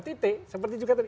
tite seperti juga tadi